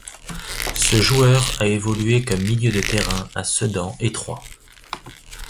Ce joueur a évolué comme milieu de terrain à Sedan et Troyes.